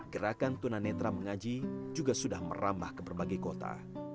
gerakan tuna netra mengaji juga sudah merambah ke berbagai kota